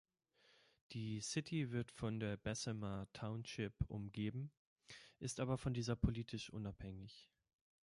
Die City wird von der Bessemer Township umgeben, ist aber von dieser politisch unabhängig.